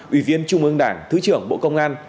ủy viên trung ương đảng thứ trưởng bộ công an